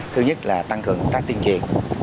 thứ nhất là tăng cường công tác tuyên truyền